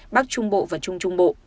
bắc trung bộ và trung trung bộ